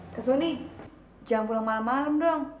kak soni jangan pulang malam malam dong